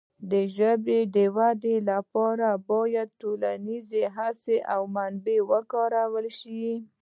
د ژبې د وده لپاره باید ټولنیزې هڅې او منابع وکارول شي.